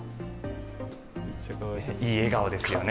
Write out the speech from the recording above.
いい笑顔ですよね。